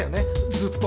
ずっと。